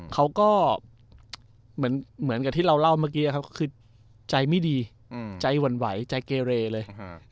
เขาก็เหมือนกับที่เราเล่าเมื่อกี้ครับก็คือใจไม่ดีใจหวั่นไหวใจเกเรเลย